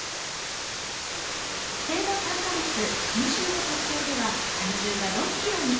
生後３か月、先週の測定では体重が６ｋｇに。